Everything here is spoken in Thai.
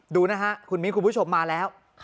ดูนะฮะคุณมิ้นคุณผู้ชมมาแล้ว